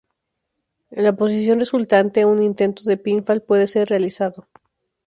En la posición resultante un intento de pinfall puede ser realizado.